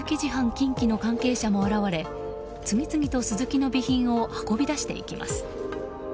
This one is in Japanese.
近畿の関係者も現れ次々とスズキの備品を運び出していきます。